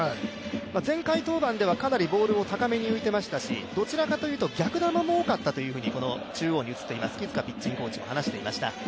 前回登板では、かなり高めにボールが浮いていましたし、どちらかというと逆球も多かったというふうに木塚ピッチングコーチも話していました。